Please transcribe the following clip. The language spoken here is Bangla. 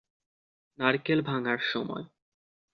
নারকেল ভাঙার সময়।